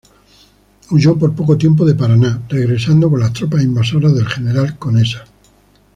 Huyó por poco tiempo de Paraná, regresando con las tropas invasoras del general Conesa.